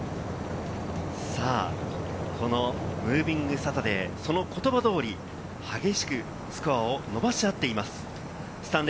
ムービングサタデー、その言葉通り、激しくスコアを伸ばし合っています。